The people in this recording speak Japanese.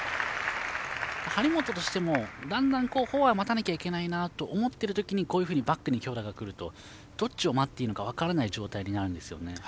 張本としてもだんだんフォアに打たなきゃいけないなと思ってる時に、こういうふうにバックに強打がくるとどっちを待っていいのか分からない状態になるんです。